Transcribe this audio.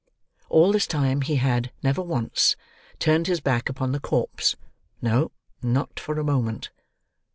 All this time he had, never once, turned his back upon the corpse; no, not for a moment.